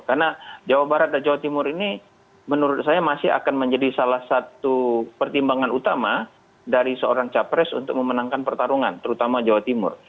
karena jawa barat dan jawa timur ini menurut saya masih akan menjadi salah satu pertimbangan utama dari seorang capres untuk memenangkan pertarungan terutama jawa timur